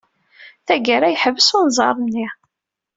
Tagara, yeḥbes unẓar-nni.